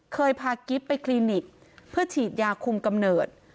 พากิ๊บไปคลินิกเพื่อฉีดยาคุมกำเนิด